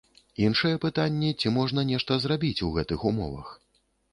Іншае пытанне, ці можна нешта зрабіць у гэтых умовах.